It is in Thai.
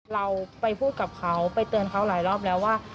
เราไปพูดกับเขาไปเตือนเขาหลายรอบแล้วว่า